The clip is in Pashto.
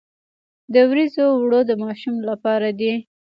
د وریجو اوړه د ماشوم لپاره دي.